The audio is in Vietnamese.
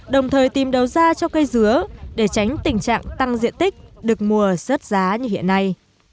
đồng thời tìm đầu ra cho cây dứa để tránh tình trạng tăng diện tích được mùa rớt giá như hiện nay